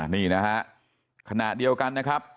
นี่นะฮะขณะเดียวกันนะครับ